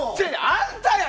あんたや！